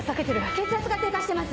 血圧が低下してます！